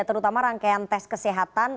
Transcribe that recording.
terutama rangkaian tes kesehatan